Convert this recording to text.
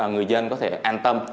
người dân có thể an tâm